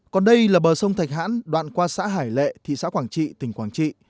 còn đây là bờ sông thạch hãn đoạn qua xã hải lệ thị xã quảng trị tỉnh quảng trị